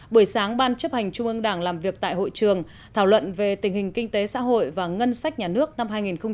buổi sáng ban chấp hành trung ương đảng làm việc tại hội trường thảo luận về tình hình kinh tế xã hội và ngân sách nhà nước năm hai nghìn một mươi tám